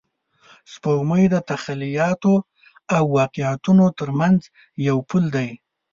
سپوږمۍ د تخیلاتو او واقعیتونو تر منځ یو پل دی